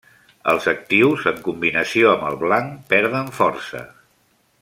Els actius, en combinació amb el blanc, perden força.